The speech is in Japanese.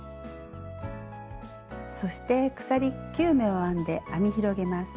そして鎖９目を編んで編み広げます。